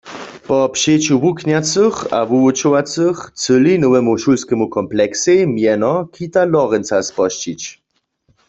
Po přeću wuknjacych a wuwučowacych chcyli nowemu šulskemu kompleksej mjeno Kita Lorenca spožčić.